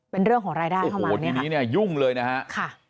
เป็นเรื่องของรายได้เข้ามาโอ้โหทีนี้ยุ่งเลยนะคะ